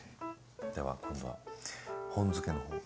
では今度は本漬けの方を。